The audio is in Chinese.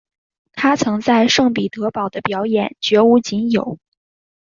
她曾经在圣彼得堡的表演绝无仅有。